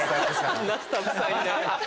あんなスタッフさんいない。